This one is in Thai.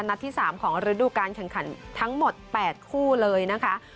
ที่๓ของฤดูการแข่งขันทั้งหมด๘คู่เลยนะคะ